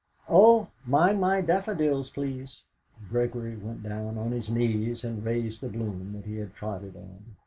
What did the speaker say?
"Oh, mind my daffodils, please!" Gregory went down on his knees, and raised the bloom that he had trodden on.